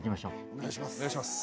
お願いします。